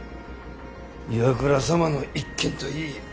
岩倉様の一件といい